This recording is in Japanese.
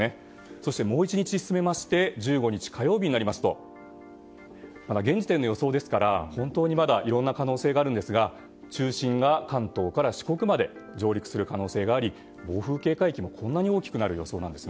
そして、もう１日進めまして１５日火曜日になりますと現時点の予想ですから、本当にまだいろんな可能性があるんですが中心が関東から四国まで上陸する可能性があり暴風警戒域もこんなに大きくなる予想なんです。